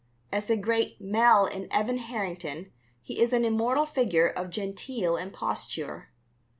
As the "great Mel" in Evan Harrington he is an immortal figure of genteel imposture.